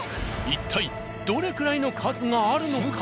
一体どれくらいの数があるのか？